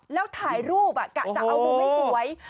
แล้วถ่ายรูปกะจะเอามุมให้สวย